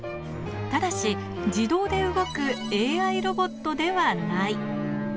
ただし、自動で動くＡＩロボットではない。